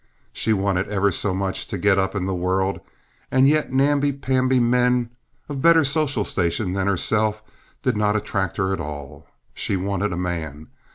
She wanted ever so much to get up in the world, and yet namby pamby men of better social station than herself did not attract her at all. She wanted a man.